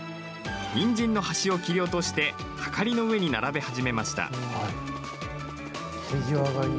にんじんの端を切り落としてはかりの上に並べ始めました。